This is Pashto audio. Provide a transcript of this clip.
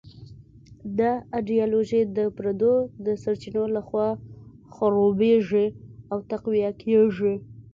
دا ایډیالوژي د پردو د سرچینو لخوا خړوبېږي او تقویه کېږي.